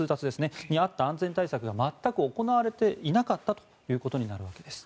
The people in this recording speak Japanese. そこにあった安全対策が全くされていなかったということです。